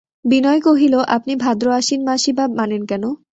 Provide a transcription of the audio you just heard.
বিনয় কহিল, আপনি ভাদ্র-আশ্বিন মাসই বা মানেন কেন?